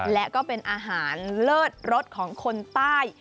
และก็เป็นอาหารเลิศรสของคนใต้